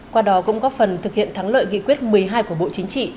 qua đó cũng góp phần thực hiện thắng lợi nghị quyết một mươi hai của bộ chính trị